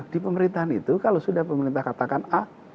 di pemerintahan itu kalau sudah pemerintah katakan a